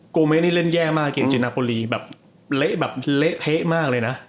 กรอเมตน์เล่นแย่มากเกมน์จีนนาโปรลีแบบเหเละเท้มากเลยนะ